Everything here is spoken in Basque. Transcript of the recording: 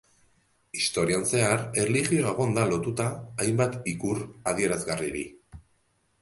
Historian zehar, erlijioa egon da lotuta hainbat ikur adierazgarriri.